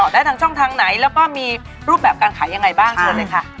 ได้ทางช่องทางไหนแล้วก็มีรูปแบบการขายยังไงบ้างเชิญเลยค่ะ